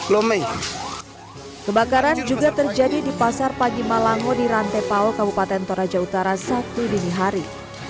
lomeng kebakaran juga terjadi di pasar pagi malango di rantai pao kabupaten toraja utara sabtu dini hari